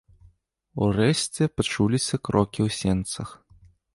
Урэшце пачуліся крокі ў сенцах.